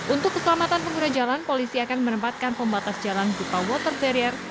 untuk keselamatan pengguna jalan polisi akan menempatkan pembatas jalan dupa water barrier